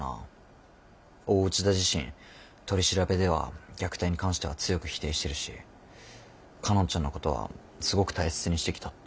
大内田自身取り調べでは虐待に関しては強く否定してるし佳音ちゃんのことはすごく大切にしてきたって。